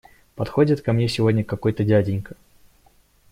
Подходит ко мне сегодня какой-то дяденька.